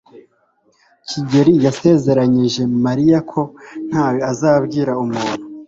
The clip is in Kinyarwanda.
Kigeri yasezeranyije Mariya ko ntawe azabwira umuntu.